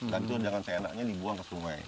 dan itu jangan seenaknya dibuang ke sungai